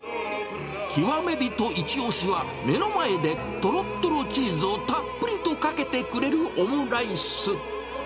極め人一押しは、目の前でとろっとろチーズをたっぷりとかけてくれるオムライス。